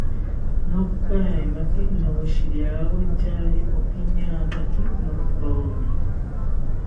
Nokaemaki noweshiriawentari okiñataki nothomi